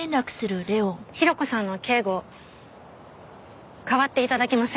ヒロコさんの警護代わって頂けませんか？